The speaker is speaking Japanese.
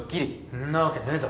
んなわけねぇだろ。